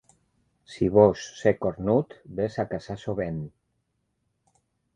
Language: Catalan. Si vols ser cornut, ves a caçar sovint.